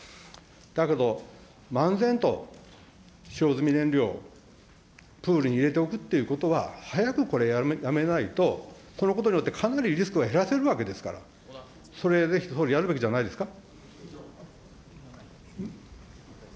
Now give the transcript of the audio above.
だけど漫然と使用済み燃料、プールに入れておくっていうことは、早くこれ、やめないと、このことによって、かなりリスクが減らせるわけですから、それ、ぜひ、総理、やるべきじゃないですか。